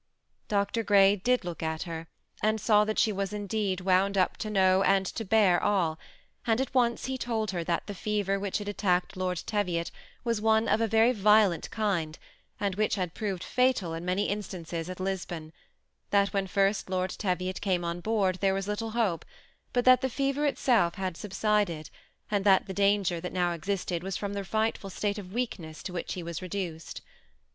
Dr. Grey did look at her, and saw that she was in deed wound up to know and to bear all, and at* once he told her that the fever which had attacked Lord Teviot was one of a very violent kind, and which had proved fatal in many instances at Lisbon ; that when first Lord Teviot came on board there was little hope, but that the fever itself had subsided, and that the danger that now existed was from the frightful state of weakness to 808 THE 8Eia ATTAGHED GOVFLEL which he was redaoed.